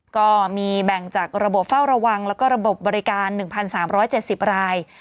ก็มีแบ่งจากระบบเฝ้าระวังแล้วก็ระบบบบริการ๑๓๗๐ราย